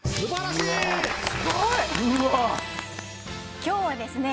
今日はですね